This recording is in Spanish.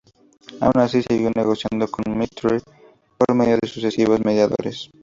Aun así, siguió negociando con Mitre por medio de sucesivos mediadores.